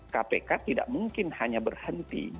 kpk tidak mungkin hanya berhenti